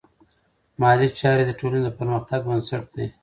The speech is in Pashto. مالي چارې د ټولنې د پرمختګ بنسټ دی.